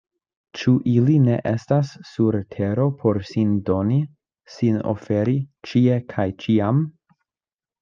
Ĉu ili ne estas sur tero por sin doni, sin oferi, ĉie kaj ĉiam?